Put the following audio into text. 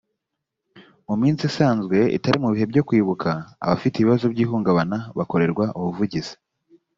mu minsi isanzwe itari mu bihe byo kwibuka, abafite ibibazo by’ihungabana bakorerwa ubuvugizi